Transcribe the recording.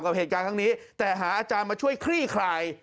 กับเหตุการณ์ครั้งนี้แต่หาอาจารย์มาช่วยคลี่คลาย